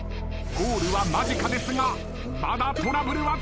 ゴールは間近ですがまだトラブルは続きます。